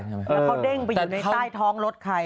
แล้วเขาเด้งไปอยู่ในใต้ท้องรถใคร